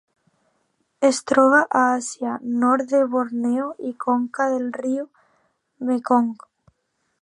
Es troba a Àsia: nord de Borneo i conca del riu Mekong.